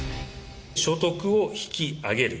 所得を引き上げる。